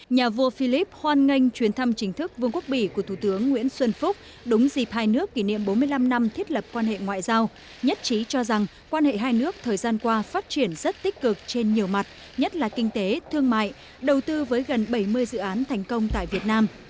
nhà vua philip hoan nghênh chuyến thăm chính thức vương quốc bỉ của thủ tướng nguyễn xuân phúc đúng dịp hai nước kỷ niệm bốn mươi năm năm thiết lập quan hệ ngoại giao nhất trí cho rằng quan hệ hai nước thời gian qua phát triển rất tích cực trên nhiều mặt nhất là kinh tế thương mại đầu tư với gần bảy mươi dự án thành công tại việt nam